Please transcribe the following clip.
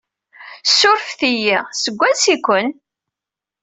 Surefet-iyi, seg wansi-ken?